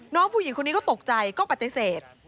น้องผู้หญิงคนนี้ก็ตกใจก็ปฏิเสธ